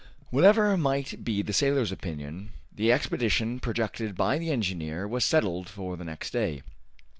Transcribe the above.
Whatever might be the sailor's opinion, the expedition projected by the engineer was settled for the next day.